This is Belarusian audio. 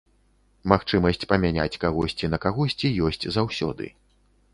Магчымасць памяняць кагосьці на кагосьці ёсць заўсёды.